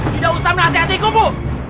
tidak usah menasihati ku bu